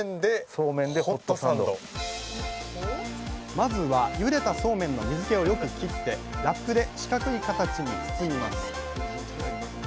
まずはゆでたそうめんの水けをよく切ってラップで四角い形に包みます。